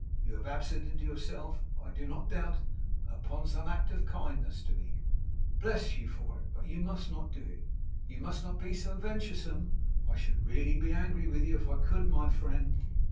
You have absented yourself, I do not doubt, upon some act of kindness to me; bless you for it; but you must not do it; you must not be so venturesome. I should really be angry with you if I could, my friend!